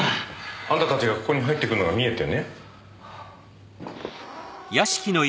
あんたたちがここに入ってくのが見えてね。